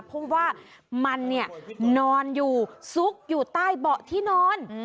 เพราะว่ามันนอนอยู่ซุกอยู่ใต้เบาะที่นอน